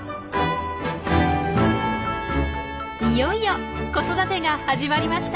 いよいよ子育てが始まりました。